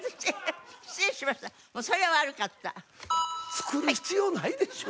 作る必要ないでしょ？